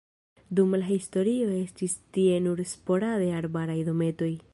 Dum la historio estis tie nur sporade arbaraj dometoj.